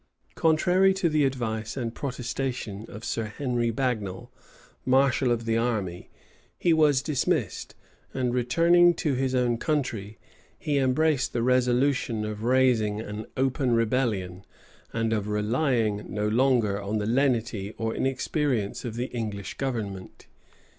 Contrary to the advice and protestation of Sir Henry Bagnal, marshal of the army, he was dismissed; and returning to his own country, he embraced the resolution of raising an open rebellion, and of relying no longer on the lenity or inexperience of the English government.